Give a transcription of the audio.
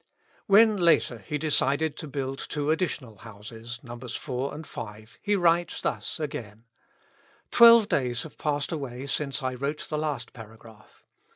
When later he decided to build two additional houses, Nos. 4 and 5, he writes thus again :— "Twelve days have passed away since I wrote the last para graph.